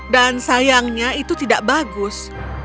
dan sayangnya itu tidak bagus